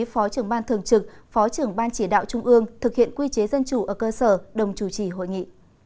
phó trưởng ban thường trực phó trưởng ban chỉ đạo trung ương thực hiện quy chế dân chủ ở cơ sở đồng chủ trì hội nghị